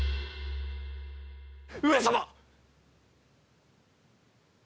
上様！